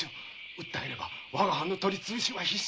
訴えれば我が藩の取り潰しは必至。